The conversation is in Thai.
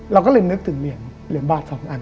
เราก็เลยนึกถึงเหรียญบาท๒อัน